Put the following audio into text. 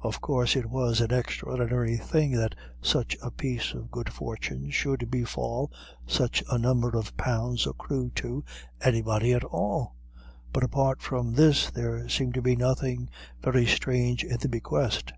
Of course it was an extraordinary thing that such a piece of good fortune should befall, such a number of pounds accrue to, anybody at all; but apart from this there seemed to be nothing very strange in the bequest.